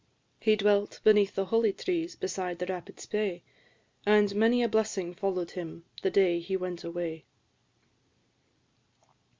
He dwelt beneath the holly trees, beside the rapid Spey, And many a blessing follow'd him, the day he went away."